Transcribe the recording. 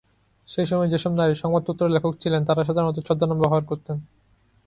সেই সময়ে যেসব নারী সংবাদপত্র লেখক ছিলেন তারা সাধারণত ছদ্মনাম ব্যবহার করতেন।